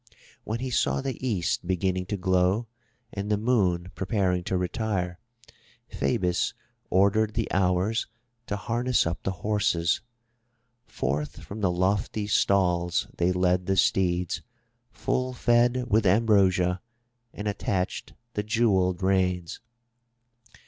When he saw the East beginning to glow and the Moon preparing to retire, Phoebus ordered the Hours to harness up the horses. Forth from the lofty stalls they led the steeds, full fed with ambrosia, and attached the jewelled reins.